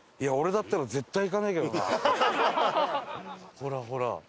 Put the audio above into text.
ほらほら。